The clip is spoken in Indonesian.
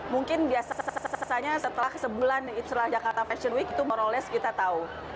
mungkin biasanya setelah sebulan istilah jakarta fashion week itu meroles kita tahu